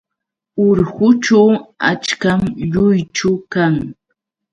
Urqućhu achkam lluychu kan.